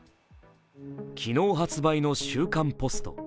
昨日発売の「週刊ポスト」